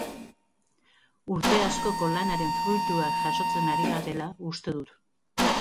Urte askoko lanaren fruituak jasotzen ari garela uste dut.